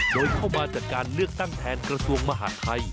โดยเข้ามาจัดการเลือกตั้งแทนกระทรวงมหาดไทย